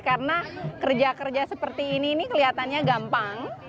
karena kerja kerja seperti ini kelihatannya gampang